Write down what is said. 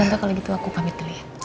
ya tante kalau gitu aku pamit dulu ya